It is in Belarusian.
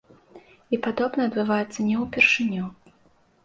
І падобнае адбываецца не ўпершыню.